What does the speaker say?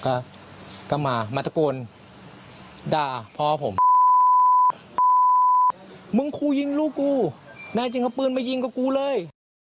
จริงเขาปืนมายิงกับกูเลย